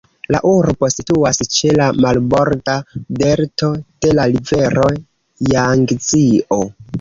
La urbo situas ĉe la marborda delto de la rivero Jangzio.